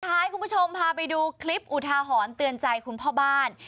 ให้คุณผู้ชมพาไปดูคลิปอุทาหรณ์เตือนใจคุณพ่อบ้าน